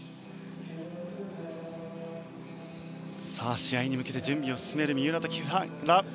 試合に向けて準備を進める三浦と木原。